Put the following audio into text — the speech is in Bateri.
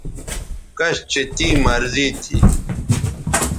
کش چہ تیں مرضی تھی